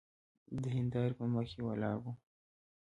د هندارې په مخکې ولاړ وم.